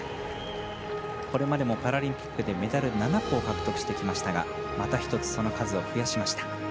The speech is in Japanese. これまでもパラリンピックでメダル７個を獲得してきましたがまた１つ、その数を増やしました。